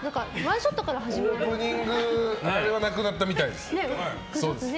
オープニングのあれはなくなったみたいです。